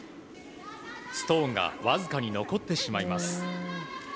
ストーンがわずかに残ってしまいます。